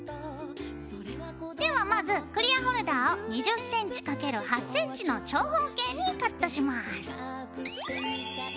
ではまずクリアホルダーを２０ｃｍ×８ｃｍの長方形にカットします。